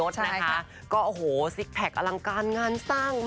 ใช่ค่ะ